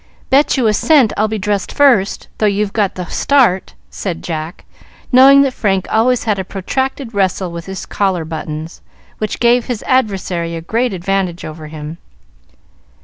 Bet you a cent I'll be dressed first, though you have got the start," said Jack, knowing that Frank always had a protracted wrestle with his collar buttons, which gave his adversary a great advantage over him.